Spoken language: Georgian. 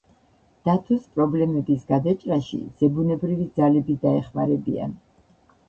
დათოს პრობლემების გადაჭრაში ზებუნებრივი ძალები დაეხმარებიან.